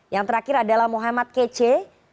yang terakhir adalah muhammad kc